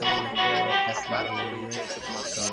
څوک چي مؤمناني ازاروي، هغه داسي دي لکه مؤمنان چي ازاروي.